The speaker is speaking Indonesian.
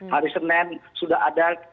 hari senin sudah ada